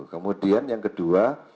kemudian yang kedua